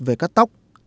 về cắt tóc